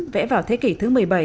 vẽ vào thế kỷ thứ một mươi bảy